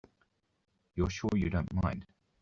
You're sure you don't mind?